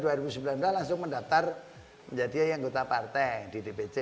mas gibran langsung mendaftar menjadi anggota partai di dpc